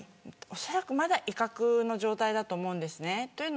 おそらくまだ威嚇の状態だと思うんです。